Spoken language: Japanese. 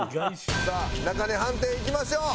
さあ中根判定いきましょう。